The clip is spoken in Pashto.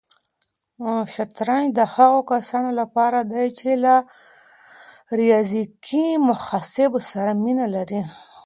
شطرنج د هغو کسانو لپاره دی چې له ریاضیکي محاسبو سره مینه لري.